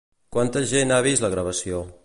Quanta gent ha vist la gravació?